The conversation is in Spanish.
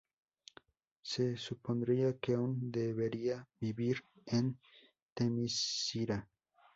Se supondría que aún debería vivir en Temiscira.